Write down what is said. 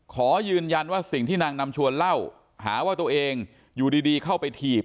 ขอยืนยันว่าสิ่งที่นางนำชวนเล่าหาว่าตัวเองอยู่ดีเข้าไปถีบ